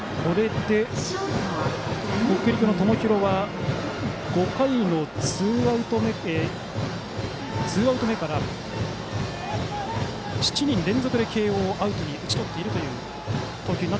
これで北陸の友廣は５回のツーアウト目から７人連続で慶応をアウトに打ち取っているという投球です。